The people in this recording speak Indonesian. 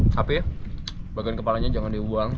tapi bagian kepalanya jangan dibuang